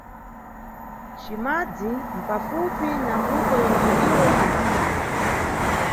Cimadzi mʼpafupi na mbuto yomwe iwo ambakhala.